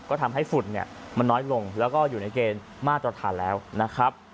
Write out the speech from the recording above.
ก็ทำให้ฝุ่นเนี่ยมันน้อยลงแล้วก็อยู่ในเกณฑ์มาตรฐานแล้วนะครับ